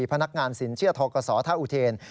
พนักงานสินเชียร์ทอกษอท่าอุเทน